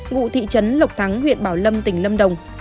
ngụ thị trấn lộc thắng huyện bảo lâm tỉnh lâm đồng